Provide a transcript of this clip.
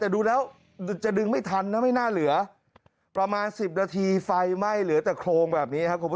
ดูแล้วจะดึงไม่ทันไม่น่าเหลือประมาณสิบนาทีหน่อยไม่เหลือแต่โครงแบบนี้